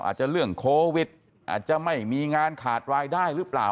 อาจจะเรื่องโควิดอาจจะไม่มีงานขาดรายได้หรือเปล่า